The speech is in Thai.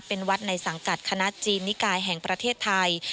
เป็นวัดในสังกัดคณะจีนนิกายแห่งประเทศไทย